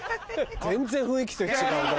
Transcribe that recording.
全然雰囲気違うな。